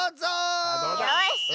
よし！